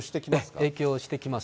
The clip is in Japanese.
影響してきます。